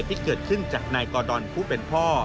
ที่เกิดขึ้นจากนายกอดอนผู้เป็นพ่อ